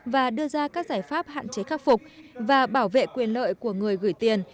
và đưa ra các giải pháp hạn chế khắc phục và bảo vệ quyền lợi của người gửi tiền